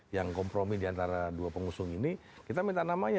yang kompromi diantara dua pengusung ini kita minta namanya